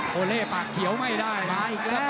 โทเลปากเขียวไม่ได้อันไงครับ